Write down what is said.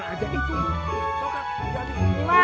kita lanjutkan perjalanan kita